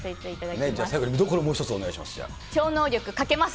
じゃあ、最後に見どころ、もう一つお願いします。